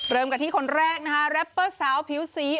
เริ่มกันที่คนแรกนะคะแรปเปอร์สาวผิวสี